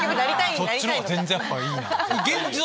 そっちのほうが全然いいな。